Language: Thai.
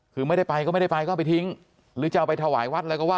คือไม่ได้ไปก็ไม่ได้ไปก็เอาไปทิ้งหรือจะเอาไปถวายวัดอะไรก็ว่า